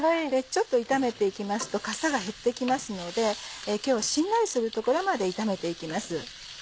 ちょっと炒めて行きますとかさが減って来ますので今日はしんなりするところまで炒めて行きます。